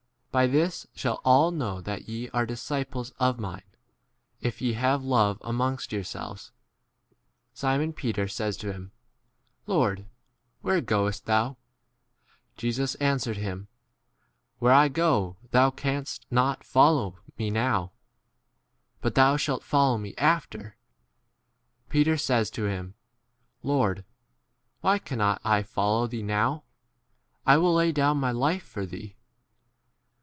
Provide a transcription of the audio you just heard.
By this shall all know that ye are disciples of mine, if ye have love amongst 36 yourselves. Simon Peter says to him, Lord, where goest thou? Jesus answered him, Where I go thou canst not follow me now, but thou shalt follow me after, 37 Peter says to him, Lord, why can not I follow thee now ? I will lay 38 down my life for thee.